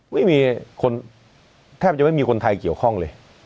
ไม่มีคนแทบจะไม่มีคนไทยเกี่ยวข้องเลย